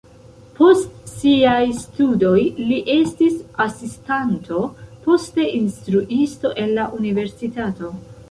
Post siaj studoj li estis asistanto, poste instruisto en la universitato.